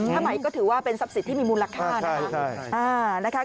ถ้าใหม่ก็ถือว่าเป็นทรัพย์สินที่มีมูลค่านะคะ